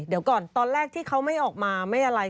เดี๋ยวก่อนตอนแรกที่เขาไม่ออกมาไม่อะไร